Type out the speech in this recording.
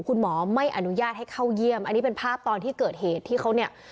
คุณหมอไม่อนุญาตให้เข้าเยี่ยมอันนี้เป็นภาพตอนที่เกิดเหตุที่เขาเนี่ย